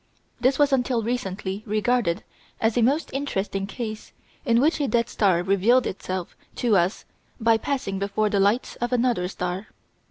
This was until recently regarded as a most interesting case in which a dead star revealed itself to us by passing before the light of another star.